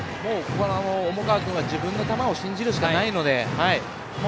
重川君は自分の球を信じるしかないので。